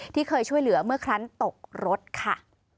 ที่เคยช่วยเหลือเมื่อครั้งตกรถค่ะ